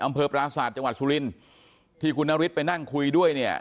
ปราศาสตร์จังหวัดสุรินที่คุณนฤทธิไปนั่งคุยด้วยเนี่ย